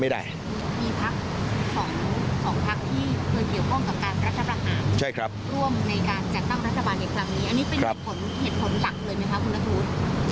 อันนี้เป็นเหตุผลหลักเลยไหมคะคุณรัฐธูรณ์